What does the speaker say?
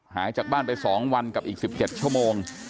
หายจากบ้านไป๒วันกับอีก๑๗ชั่วโมง